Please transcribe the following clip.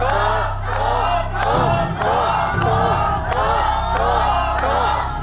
ถูก